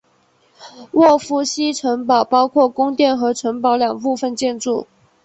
沃夫西城堡包括宫殿和城堡两部分建筑。